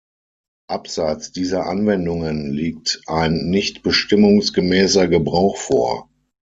Abseits dieser Anwendungen liegt ein nicht bestimmungsgemäßer Gebrauch vor.